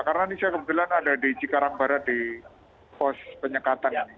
karena ini saya kebetulan ada di cikarang barat di pos penyekatan ini